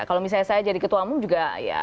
kalau misalnya saya jadi ketua umum juga ya